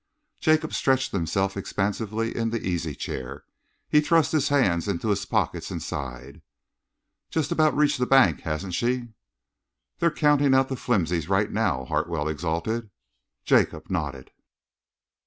Jacob stretched himself expansively in the easy chair. He thrust his hands into his pockets and sighed. "Just about reached the bank, hasn't she?" "They're counting out the flimsies right now," Hartwell exulted. Jacob nodded.